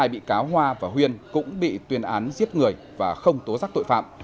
hai bị cáo hoa và huyên cũng bị tuyên án giết người và không tố giác tội phạm